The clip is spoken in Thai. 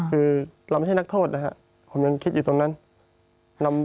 คือเราไม่ใช่นักโทษนะครับผมยังคิดอยู่ตรงนั้น